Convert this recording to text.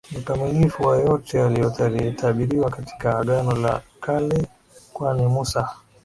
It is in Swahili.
ni ukamilifu wa yote yaliyotabiriwa katika Agano la Kale Kwani Musa